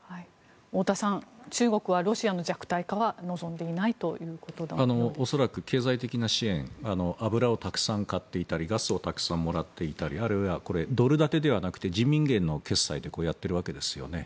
太田さん、中国はロシアの弱体化は恐らく経済的な支援油をたくさん買っていたりガスをたくさんもらっていたりドル建てではなくて人民元の決済でやっているわけですよね。